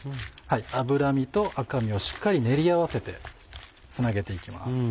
脂身と赤身をしっかり練り合わせてつなげていきます。